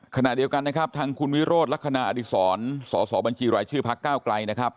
ขณะเดียวกันนะครับทางคุณวิโรธลักษณะอดีศรสอสอบัญชีรายชื่อพักก้าวไกลนะครับ